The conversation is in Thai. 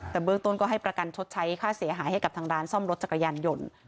แต่เบื้องต้นก็ให้ประกันชดใช้ค่าเสียหายให้กับทางร้านซ่อมรถจักรยานยนต์